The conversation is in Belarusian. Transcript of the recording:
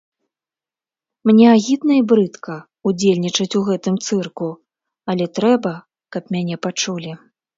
Мне агідна і брыдка удзельнічаць у гэтым цырку, але трэба, каб мяне пачулі.